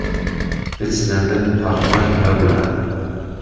پچنە بن پەڕڕەی هەوران